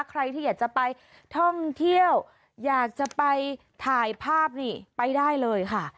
ใครที่อยากจะไปท่องเที่ยวอยากจะไปถ่ายภาพนี่ไปได้เลยค่ะ